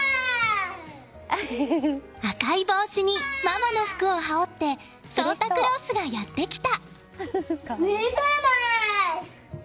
赤い帽子にママの服を羽織ってサンタクロースがやってきた。